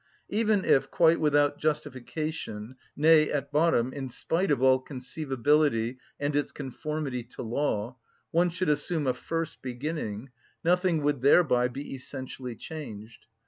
Even if, quite without justification, nay, at bottom, in spite of all conceivability and its conformity to law, one should assume a first beginning, nothing would thereby be essentially changed.